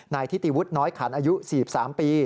นายทิติวุธน้อยขันศ์อายุ๔๓ปี